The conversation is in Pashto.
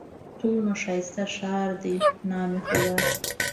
څونه ښايسته ښار دئ! نام خدا!